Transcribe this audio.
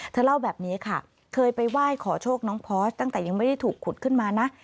เล่าแบบนี้ค่ะเคยไปไหว้ขอโชคน้องพอร์สตั้งแต่ยังไม่ได้ถูกขุดขึ้นมานะ